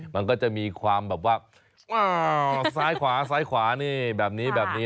มันก็จะมีความแบบว่าซ้ายขวาซ้ายขวานี่แบบนี้แบบนี้